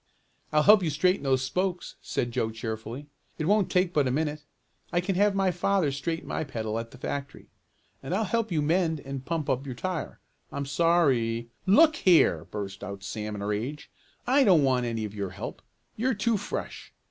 "I'll help you straighten those spokes," said Joe cheerfully. "It won't take but a minute. I can have my father straighten my pedal at the factory. And I'll help you mend and pump up your tire. I'm sorry " "Look here!" burst out Sam in a rage, "I don't want any of your help. You're too fresh.